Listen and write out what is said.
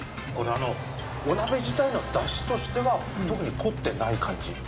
このあのお鍋自体のダシとしては特に凝ってない感じ？